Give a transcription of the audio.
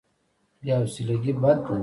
بې حوصلګي بد دی.